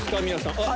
皆さん。